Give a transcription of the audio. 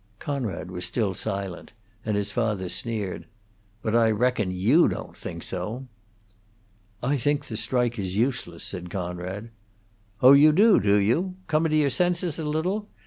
Conrad was still silent, and his father sneered, "But I reckon you don't think so." "I think the strike is useless," said Conrad. "Oh, you do, do you? Comin' to your senses a little.